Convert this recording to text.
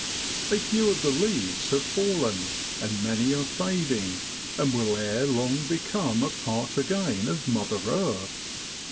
A few of the leaves have fallen, and many are fading, and will ere long become a part again of mother earth.